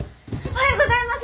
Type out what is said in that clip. おはようございます！